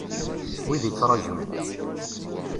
Wid yettraǧun.